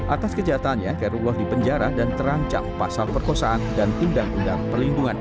atas kejahatannya kairullah dipenjara dan terancam pasal perkosaan dan undang undang perlindungan